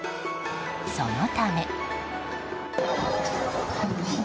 そのため。